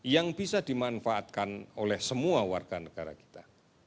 yang bisa dimanfaatkan oleh semua warga negara kita